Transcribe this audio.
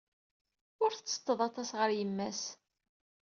Ur tetteṭṭeḍ aṭas ɣer yemma-s.